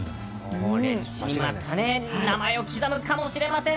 歴史にまた名前を刻むかもしれません。